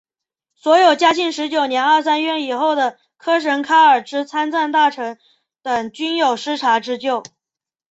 所有嘉庆十九年二三月以后喀什噶尔之参赞大臣等均有失察之咎。